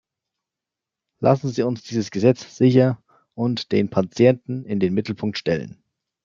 Lassen Sie uns dieses Gesetz sicher- und den Patienten in den Mittelpunkt stellen.